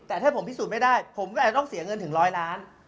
แต่ถ้าผมพิสูจน์ไม่ได้ผมก็อาจจะต้องเสียเงินถึงร้อยล้าน